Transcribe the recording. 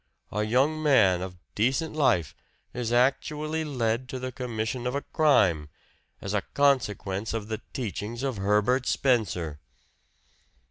A young man of decent life is actually led to the commission of a crime, as a consequence of the teachings of Herbert Spencer!"